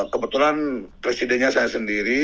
kebetulan presidennya saya sendiri